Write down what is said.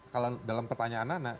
kalau dalam pertanyaan anak anak